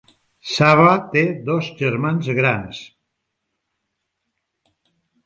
Sawa té dos germans grans.